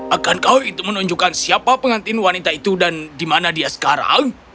akankah itu menunjukkan siapa pengantin wanita itu dan di mana dia sekarang